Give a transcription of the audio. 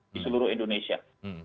di seluruh indonesia